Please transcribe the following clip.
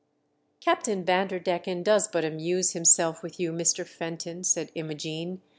"Captain Vanderdecken does but amuse himself with you, Mr. Fenton," said Imo gene.